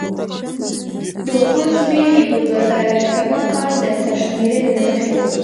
د وګړو شمیر یې په دوه زره شپږم کال د سرشمېرنې له مخې و.